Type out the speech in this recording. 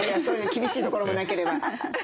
そういう厳しいところもなければ。